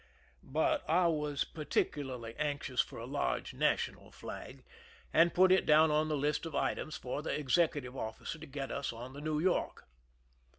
But I was particularly anxious for a large national flag, and put it down on the list of litems for the executive officer to get us on the New York.